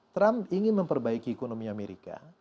trump ingin memperbaiki ekonomi amerika